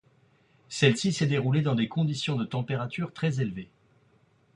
Celle-ci s'est déroulée dans des conditions de températures très élevées.